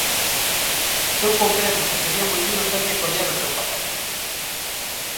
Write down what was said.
Eu comprendo que sería moi duro ter que coller o seu papel.